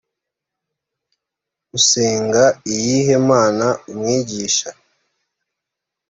usenga iyihe mana umwigisha